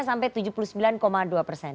sampai tujuh puluh sembilan dua persen